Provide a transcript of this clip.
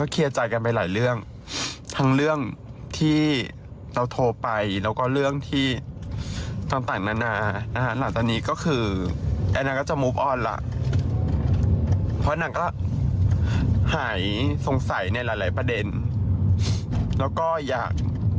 ใจกันไปหลายเรื่องทั้งเรื่องที่เราโทรไปแล้วก็เรื่องที่ต่างนานานะฮะหลังจากนี้ก็คือไอ้นางก็จะมุบออนไลน์เพราะนางก็หายสงสัยในหลายประเด็นแล้วก็อยาก